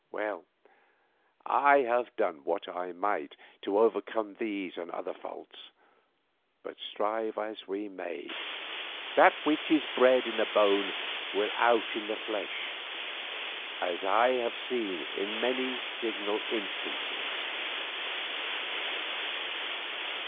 Well, I have done what I might to overcome these and other faults, but strive as we may, that which is bred in the bone will out in the flesh, as I have seen in many signal instances.